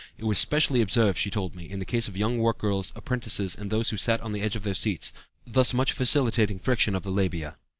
It was specially observed, she told me, in the case of young work girls, apprentices, and those who sat on the edge of their seats, thus much facilitating friction of the labia."